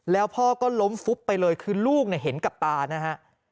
แล้วพ่อก็ล้มฟุบไปเลยคือลูกเห็นกับตานะฮะ